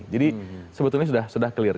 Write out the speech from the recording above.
jadi sebetulnya sudah clear